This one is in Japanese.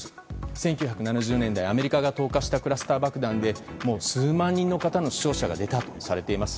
１９７０年代アメリカが投下したクラスター爆弾で数万人の方の死傷者が出たとされています。